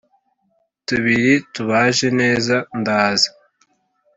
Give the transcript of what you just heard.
tubiri tubaje neza ndaza